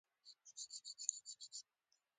نن ورځ کانکریټي سړکونو په نړۍ کې ډېر وسعت موندلی دی